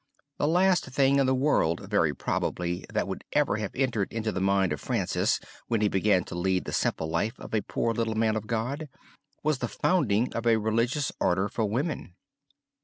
The last thing in the world very probably that would ever have entered into the mind of Francis when he began to lead the simple life of a poor little man of God, was the founding of a religious order for women.